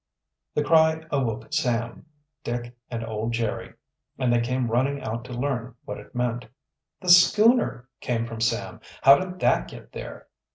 The cry awoke Sam, Dick, and old Jerry, and they came running out to learn what it meant. "The schooner!" came from Sam. "How did that get there?"